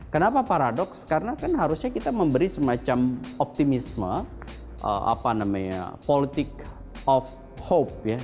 kenapa paradoks karena kan harusnya kita memberi semacam optimisme politik of hope ya